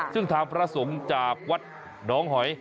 ซึ่งทางพระสงฆ์จากวัดน้องหอย